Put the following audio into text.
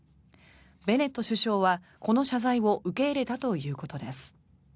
ベネット首相はこの謝罪を受け入れたということです。